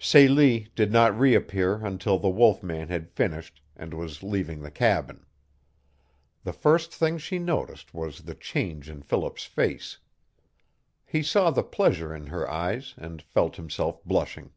Celie did not reappear until the wolf man had finished and was leaving the cabin. The first thing she noticed was the change in Philip's face. He saw the pleasure in her eyes and felt himself blushing.